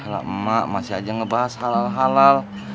lah emak masih aja ngebahas halal halal